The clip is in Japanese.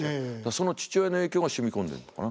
その父親の影響が染み込んでんのかな。